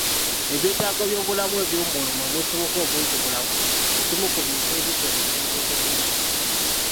Ebyetaago by'obulamu eby'omwoyo mwe musibuka obuntubulamu, ekimu ku bintu ebikola omuntu omugunjufu